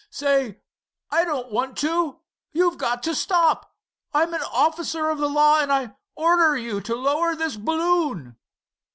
"Say, I don't want to! You've got to stop! I'm an officer of the law and I order you to lower this balloon."